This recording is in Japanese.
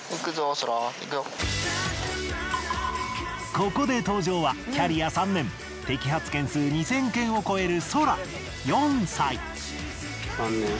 ここで登場はキャリア３年摘発件数２，０００件を超えるソラ４歳。